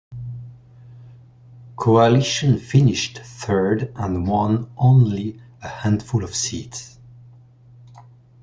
Coalition finished third and won only a handful of seats.